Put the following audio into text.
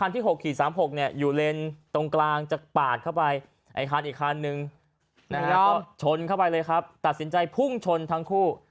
ตัดสินใจพุ่งชนทั้งคู่